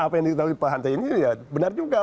apa yang diketahui pak hanta ini ya benar juga